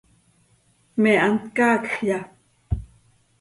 ¿Me hant caacjya?